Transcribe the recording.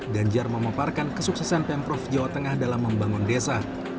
ganjar memaparkan kesuksesan pemprov jawa tengah dalam membangun desa